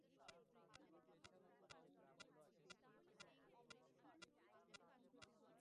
বিনয় গতকল্যকার সমস্ত ঘটনা বিবৃত করিয়া বলিল।